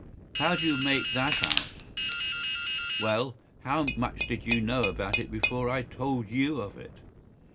” “How do you make that out?” “Well, how much did you know about it before I told you of it?